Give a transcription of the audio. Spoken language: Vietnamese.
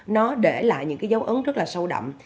nó để lại những cái dấu ấn rất là sâu đậm